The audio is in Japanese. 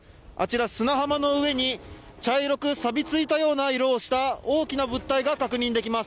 砂浜の上に茶色くさびついたような色をした大きな物体が確認できます。